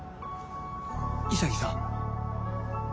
潔さん。